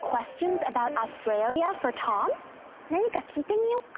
何か聞いてみよっか？